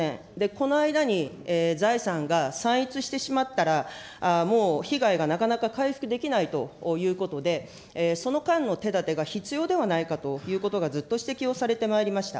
この間に、財産が散逸してしまったら、もう被害がなかなか回復できないということで、その間の手だてが必要ではないかということが、ずっと指摘をされてまいりました。